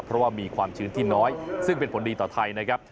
เพราะว่ามีความชื้นที่น้อยซึ่งเป็นผลดีต่อไทยนะครับ